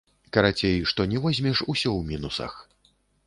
Карацей, што ні возьмеш, усё ў мінусах.